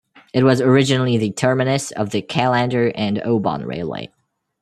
It was originally the terminus of the Callander and Oban Railway.